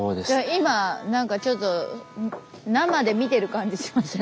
今なんかちょっと生で見てる感じしません？